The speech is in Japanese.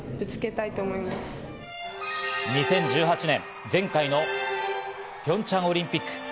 ２０１８年、前回のピョンチャンオリンピック。